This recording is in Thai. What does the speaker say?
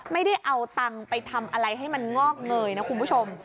ไม่ได้เอาตังค์ไปทำอะไรให้มันงอกเงยนะคุณผู้ชม